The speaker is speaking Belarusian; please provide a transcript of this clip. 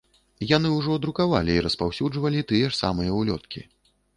Яны ўжо друкавалі і распаўсюджвалі тыя ж самыя ўлёткі.